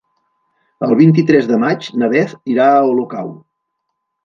El vint-i-tres de maig na Beth irà a Olocau.